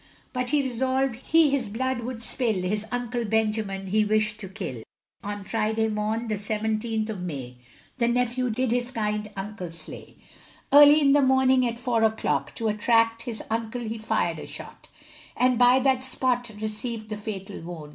But he resolved he his blood would spill His uncle Benjamin he wished to kill; On Friday morn, the seventeenth of May, The nephew did his kind uncle slay. Early in the morning, at four o'clock, To attract his uncle he fired a shot And by that spot received the fatal wound.